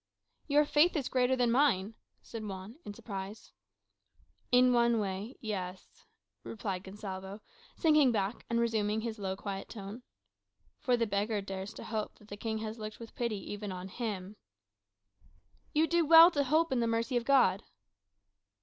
"Your faith is greater than mine," said Juan in surprise. "In one way, yes," replied Gonsalvo, sinking back, and resuming his low, quiet tone. "For the beggar dares to hope that the King has looked with pity even on him." "You do well to hope in the mercy of God."